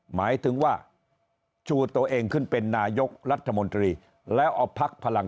หมายถึงว่าชูตัวเองขึ้นเป็นนายกรัฐมนตรีแล้วเอาพักพลัง